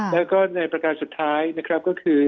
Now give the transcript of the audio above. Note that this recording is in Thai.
แล้วก็ในประการสุดท้ายก็คือ